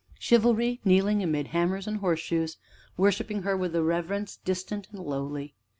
Chivalry kneeling amid hammers and horseshoes, worshiping Her with a reverence distant and lowly!